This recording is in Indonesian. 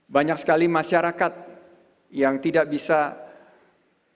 banyak sekali masyarakat yang tidak bisa merasakan masa depan yang cerah akhirnya terpapar